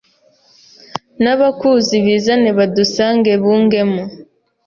N'abakuzi bizane Badusange bungemo